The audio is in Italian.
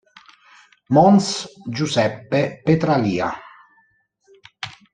Mons. Giuseppe Petralia.